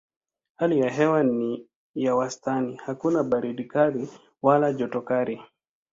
Hali ya hewa ni ya wastani: hakuna baridi kali wala joto kali.